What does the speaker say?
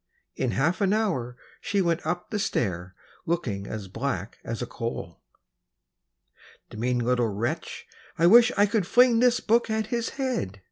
In half an hour she went up the stair, Looking as black as a coal! "The mean little wretch, I wish I could fling This book at his head!"